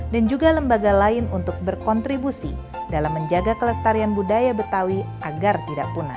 dan juga lembaga lain untuk berkontribusi dalam menjaga kelestarian budaya betawi agar tidak punah